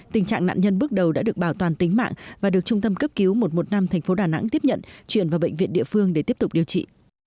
trung tâm cấp cứu một trăm một mươi năm tp đà nẵng tiếp nhận chuyển vào bệnh viện địa phương để tiếp tục điều trị